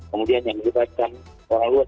kemudian yang melibatkan orang luar